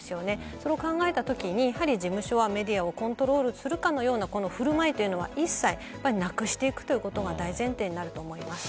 それを考えたときにやはり、事務所がメディアをコントロールするかのような振る舞いというのは一切なくしていくということが大前提になると思います。